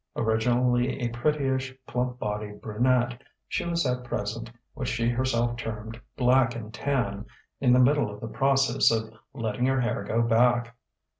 Originally a prettyish, plump bodied brunette, she was at present what she herself termed "black and tan": in the middle of the process of "letting her hair go back."